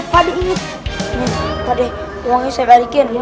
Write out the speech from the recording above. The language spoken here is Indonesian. pade uangnya saya berikin